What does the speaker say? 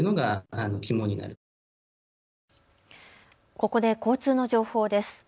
ここで交通の情報です。